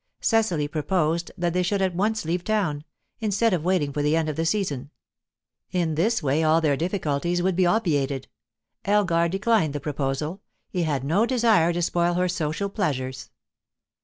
Cecily proposed that they should at once leave town, instead of waiting for the end of the season; in this way all their difficulties would be obviated. Elgar declined the proposal; he had no desire to spoil her social pleasures.